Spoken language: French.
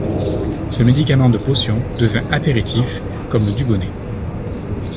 Ce médicament de potion devint apéritif comme le Dubonnet.